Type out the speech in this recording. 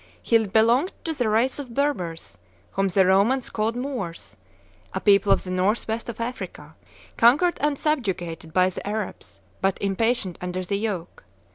He belonged to the race of Berbers, whom the Romans called Moors, a people of the north west of Africa, conquered and subjugated by the Arabs, but impatient under the yoke.